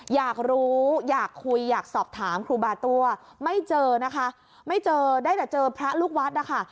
อยากรู้อยากคุยอยากสอบถามครูบาตั้วไม่เจอนะคะไม่เจอได้แต่เจอพระลูกวัดนะคะ